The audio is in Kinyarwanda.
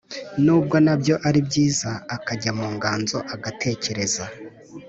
nubwo na byo ari byiza, akajya mu nganzo, agatekereza,